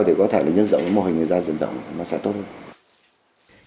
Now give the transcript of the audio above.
thì có thể nhân dọn mô hình ra dần dần nó sẽ tốt hơn